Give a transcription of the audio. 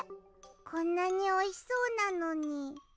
こんなにおいしそうなのに。